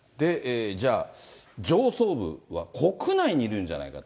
じゃあ、上層部は国内にいるんじゃないかと。